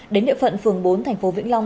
đến địa phận phường bốn thành phố vĩnh long